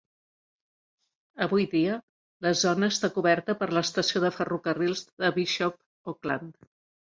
Avui dia, la zona està coberta per l'estació de ferrocarrils de Bishop Auckland.